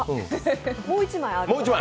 もう一枚あります。